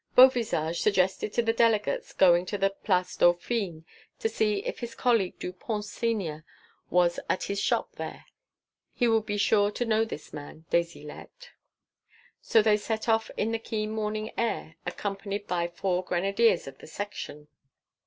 Beauvisage suggested to the delegates going to the Place Dauphine to see if his colleague Dupont senior was at his shop there; he would be sure to know this man, des Ilettes. So they set off in the keen morning air, accompanied by four grenadiers of the Section.